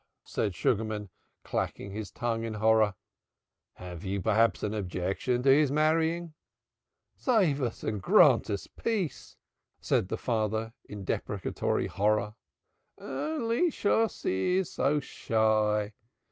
said Sugarman, clacking his tongue in horror, "have you perhaps an objection to his marrying?" "Save us and grant us peace!" said the father in deprecatory horror. "Only Shosshi is so shy.